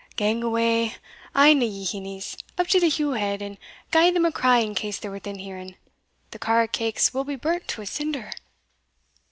"Gang awa, ane o' ye, hinnies, up to the heugh head, and gie them a cry in case they're within hearing; the car cakes will be burnt to a cinder."